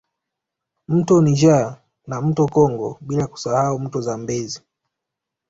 Mto Niger na mto Congo bila kusahau mto Zambezi